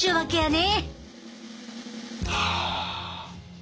ね。